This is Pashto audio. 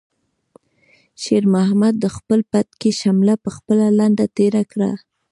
شېرمحمد د خپل پټکي شمله په خپله لنده تېره کړه.